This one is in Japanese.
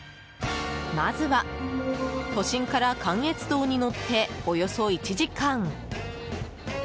まずは、都心から関越道に乗っておよそ１時間。